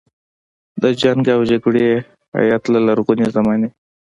د جنګ او جګړې هیت له لرغونې زمانې.